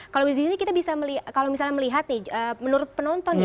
kalau di sini kita bisa kalau misalnya melihat nih menurut penonton nih